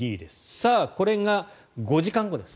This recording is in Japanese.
さあ、これが５時間後です。